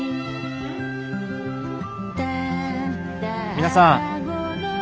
皆さん。